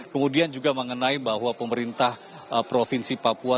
kemudian juga mengenai bahwa pemerintah provinsi papua